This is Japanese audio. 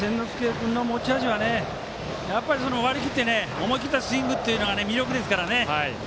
君の持ち味は割り切って思い切ったスイングが魅力ですからね。